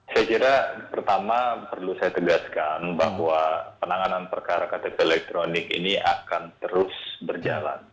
saya kira pertama perlu saya tegaskan bahwa penanganan perkara ktp elektronik ini akan terus berjalan